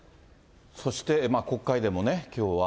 そして国会でもね、きょうは。